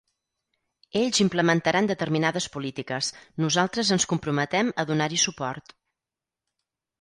Ells implementaran determinades polítiques, nosaltres ens comprometem a donar-hi suport.